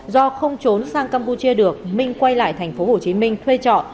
do không trốn sang campuchia được minh quay lại tp hcm thuê trọ